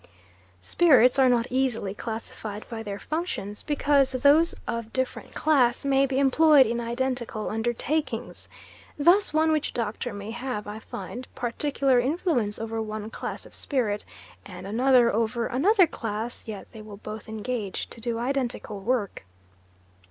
Spirits are not easily classified by their functions because those of different class may be employed in identical undertakings. Thus one witch doctor may have, I find, particular influence over one class of spirit and another over another class; yet they will both engage to do identical work.